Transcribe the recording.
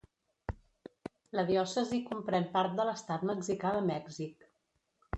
La diòcesi comprèn part de l'estat mexicà de Mèxic.